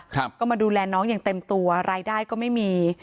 ครับก็มาดูแลน้องอย่างเต็มตัวรายได้ก็ไม่มี